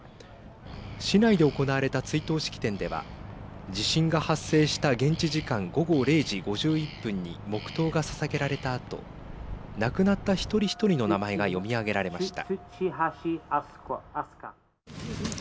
市内で行われた追悼式典では地震が発生した現地時間午後０時５１分に黙とうがささげられたあと亡くなった１人１人の名前が読み上げられました。